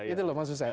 itu loh maksud saya